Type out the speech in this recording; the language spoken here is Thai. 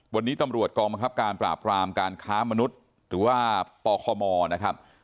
วันนี้ตำรวจกองบังคับการปราบรามการค้ามนุษย์หรือว่าปคมนะครับ